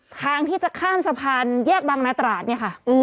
ทางที่จะข้ามสะพานแยกบางนาตราดเนี่ยค่ะ